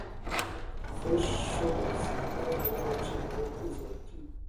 Fresh sugars هغه بوره ده چې خواړو ته اضافه کېږي.